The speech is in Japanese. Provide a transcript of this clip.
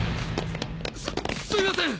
すすいません！